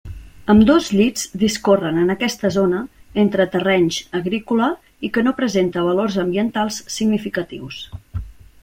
Ambdós llits discorren en aquesta zona entre terrenys agrícola i que no presenta valors ambientals significatius.